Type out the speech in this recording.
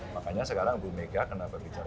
makanya sekarang bumega kenapa bicara